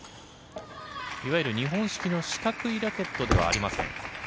日本式の四角いラケットではありません。